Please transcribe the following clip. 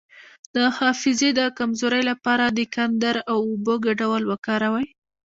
د حافظې د کمزوری لپاره د کندر او اوبو ګډول وکاروئ